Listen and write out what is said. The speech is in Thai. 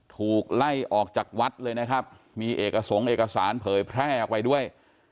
ถูกไล่ออกจากวัดเลยนะครับมีเอกสงค์เอกสารเผยแพร่ออกไปด้วย